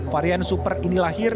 varian super ini lahir